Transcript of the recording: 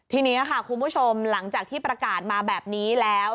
ทีนี้ค่ะคุณผู้ชมหลังจากที่ประกาศมาแบบนี้แล้ว